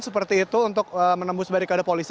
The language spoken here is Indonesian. seperti itu untuk menembus barikade polisi